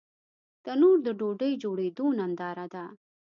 تنور د ډوډۍ جوړېدو ننداره ده